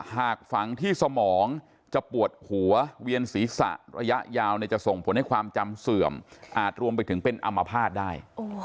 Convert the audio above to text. หากฝังที่สมองจะปวดหัวเวียนศีรษะระยะยาวจะส่งผลให้ความจำเสื่อมอาจรวมไปถึงเป็นอัมพาตได้